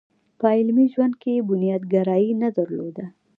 په عملي ژوند کې یې بنياد ګرايي نه درلوده.